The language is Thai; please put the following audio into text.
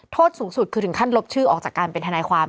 โทษสูงสุดคือถึงขั้นลบชื่อออกจากการเป็นทนายความ